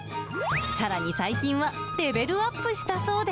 さらに最近は、レベルアップしたそうで。